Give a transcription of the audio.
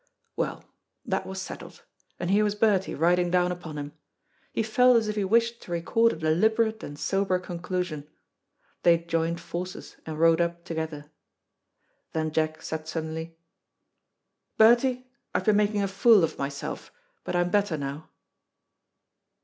Well, that was settled, and here was Bertie riding down upon him. He felt as if he wished to record a deliberate and sober conclusion. They joined forces and rode up together. Then Jack said suddenly, "Bertie, I have been making a fool of myself, but I am better now."